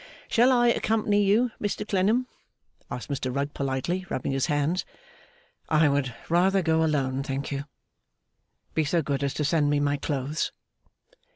'Shall I accompany you, Mr Clennam?' asked Mr Rugg politely, rubbing his hands. 'I would rather go alone, thank you. Be so good as send me my clothes.